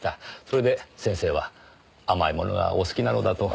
それで先生は甘いものがお好きなのだと。